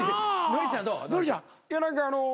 ノリちゃんどう？